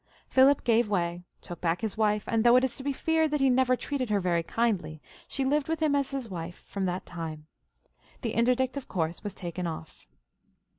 PMip ^ve way, took back his wife, and though it is to be feared that he never treated her very kindly, she lived with him as his wife from that time. The interdict of course was taken ofiF.